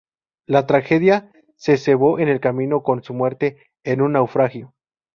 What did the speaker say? La tragedia se cebó en el camino con su muerte en un naufragio.